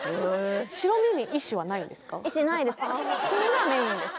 白身に意思はないんですか？